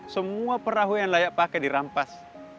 semua perahu yang layak pakai dirampas